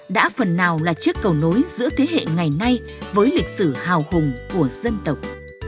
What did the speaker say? đã phần nào là chiếc cầu nối giữa thế hệ ngày nay với lịch sử hào hùng của dân tộc